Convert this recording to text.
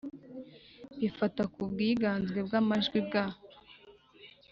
bifatwa k ubwiganze bw amajwi bwa